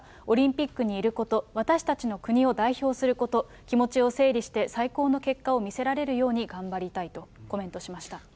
オリンピックにいること、私たちの国を代表すること、気持ちを整理して、最高の結果を見せられるように頑張りたいとコメントしました。